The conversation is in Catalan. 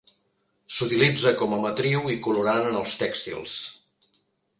S'utilitza com a matriu i colorant en els tèxtils.